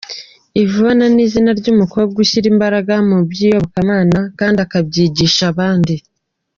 Yvonne ni izina ry’umukobwa ushyira imbaraga mu by’iyobokamana kandi akabyigisha abandi.